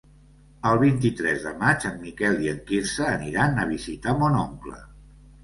El vint-i-tres de maig en Miquel i en Quirze aniran a visitar mon oncle.